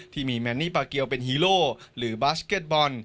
แมนนี่ปาเกียวเป็นฮีโร่หรือบาสเก็ตบอล